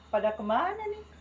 pada kemana nih